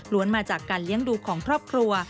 มาจากการเลี้ยงดูของครอบครัว